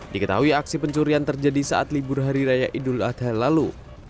diketahui aksi pencurian terjadi saat libur hari raya idul adha lalu